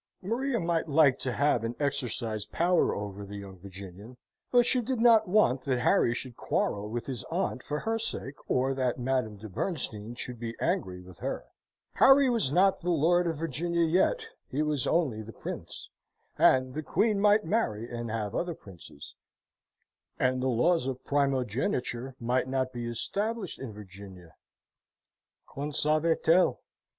Maria might like to have and exercise power over the young Virginian; but she did not want that Harry should quarrel with his aunt for her sake, or that Madame de Bernstein should be angry with her. Harry was not the Lord of Virginia yet: he was only the Prince, and the Queen might marry and have other Princes, and the laws of primogeniture might not be established in Virginia, qu'en savait elle?